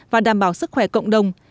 và đảm bảo sức khỏe cộng đồng